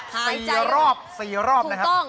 หายใจสี่รอบสี่รอบนะครับ